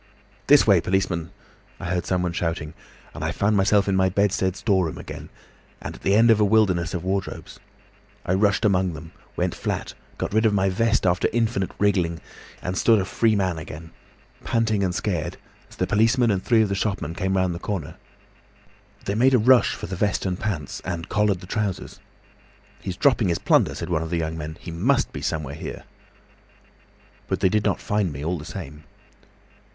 "'This way, policeman!' I heard someone shouting. I found myself in my bedstead storeroom again, and at the end of a wilderness of wardrobes. I rushed among them, went flat, got rid of my vest after infinite wriggling, and stood a free man again, panting and scared, as the policeman and three of the shopmen came round the corner. They made a rush for the vest and pants, and collared the trousers. 'He's dropping his plunder,' said one of the young men. 'He must be somewhere here.' "But they did not find me all the same.